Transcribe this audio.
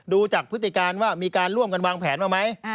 ดูจากพฤติการว่ามีการร่วมกันวางแผนมาไหม